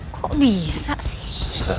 kok bisa sih